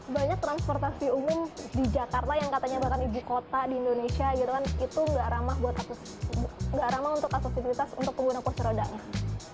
banyak transportasi umum di jakarta yang katanya bahkan ibu kota di indonesia gitu kan itu nggak ramah untuk asosivitas untuk pengguna kursi rodanya